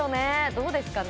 どうですかね。